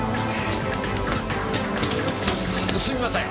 すみません！